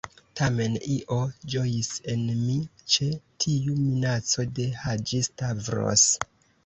Tamen, io ĝojis en mi ĉe tiu minaco de Haĝi-Stavros.